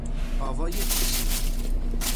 آوای پیشین